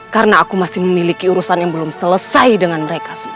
karena aku masih memiliki urusan yang belum selesai dengan mereka semua